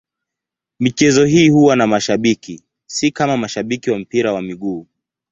Michezo hii huwa na mashabiki, si kama mashabiki wa mpira wa miguu.